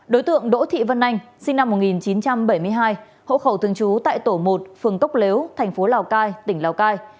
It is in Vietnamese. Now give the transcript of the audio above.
đối tượng đỗ thị vân anh sinh năm một nghìn chín trăm bảy mươi hai hộ khẩu thường trú tại tổ một phường cốc lếu thành phố lào cai tỉnh lào cai